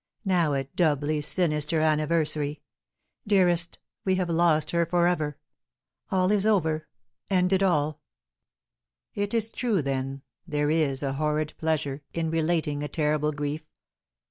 Now a doubly sinister anniversary! Dearest, we have lost her for ever! All is over, ended all. It is true, then, that there is a horrid pleasure in relating a terrible grief.